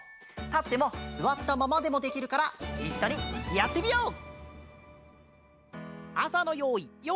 たってもすわったままでもできるからいっしょにやってみよう！